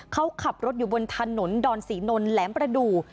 เขาขับรถอยู่บนถนนดอนศรีนนท์แหลมประดูก